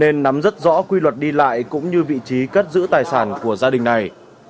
nên nắm rất rõ quy luật đi lại cũng như vị trí cất giữ tài sản của gia đình này